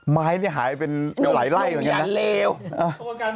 ไม้จะหายเป็นหลายไล่อย่างนี้ล่ะ